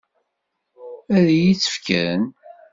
Ad iyi-tt-fken?